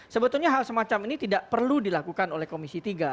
sebetulnya hal semacam ini tidak perlu dilakukan oleh komisi tiga